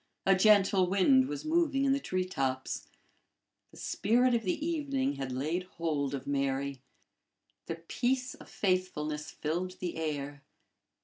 A gentle wind was moving in the tree tops. The spirit of the evening had laid hold of Mary. The peace of faithfulness filled the air.